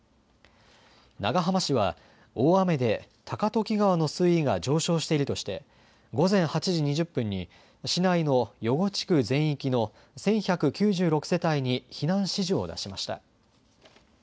長浜市は大雨で高時川の水位が上昇しているとして午前８時２０分に市内の余呉地区全域の１１９６世帯に避難指示を出しました。